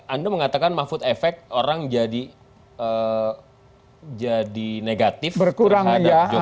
anda mengatakan mahfud efek orang jadi negatif terhadap jokowi